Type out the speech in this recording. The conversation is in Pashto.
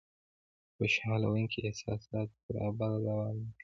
خوشالونکي احساسات تر ابده دوام نه کوي.